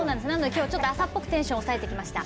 今日はちょっと朝っぽくテンションを抑えてきました。